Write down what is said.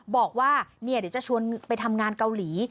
บอกว่าเนี่ยเดี๋ยวจะชวนไปทำงานเกาหลี